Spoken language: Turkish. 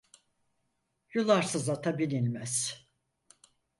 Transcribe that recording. Yularsız ata binilmez.